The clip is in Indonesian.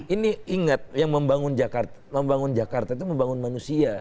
ini ingat yang membangun jakarta itu membangun manusia